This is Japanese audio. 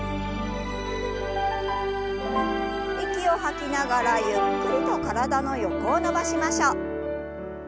息を吐きながらゆっくりと体の横を伸ばしましょう。